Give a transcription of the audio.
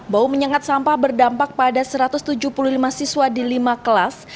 bau menyengat sampah berdampak pada satu ratus tujuh puluh lima siswa di lima kelas